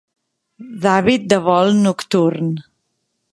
D'hàbit de vol nocturn.